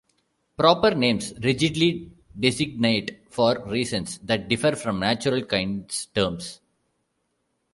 Proper names rigidly designate for reasons that differ from natural kinds terms.